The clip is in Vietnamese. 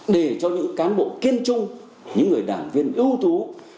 để cho những cán bộ kiên trung những người đảng viên ưu tú